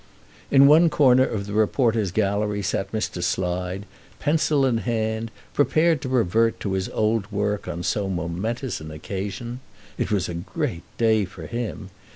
In one corner of the reporters' gallery sat Mr. Slide, pencil in hand, prepared to revert to his old work on so momentous an occasion. It was a great day for him.